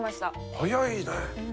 早いね。